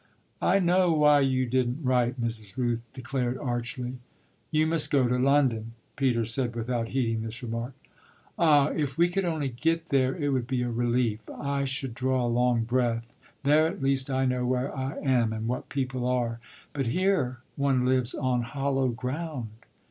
"I know why you didn't write!" Mrs. Rooth declared archly. "You must go to London," Peter said without heeding this remark. "Ah if we could only get there it would be a relief. I should draw a long breath. There at least I know where I am and what people are. But here one lives on hollow ground!"